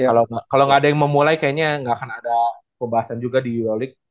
ya kalau nggak ada yang mau mulai kayaknya nggak akan ada pembahasan juga di euroleague